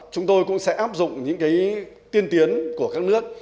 chúng tôi cũng sẽ áp dụng những cái tiên tiến của các nước